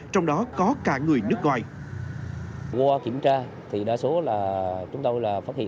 trong đó có cả người nước ngoài